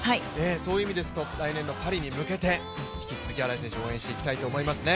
そういう意味ですと、来年のパリに向けて引き続き荒井選手応援していきたいと思いますね。